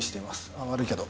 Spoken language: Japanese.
あ悪いけど。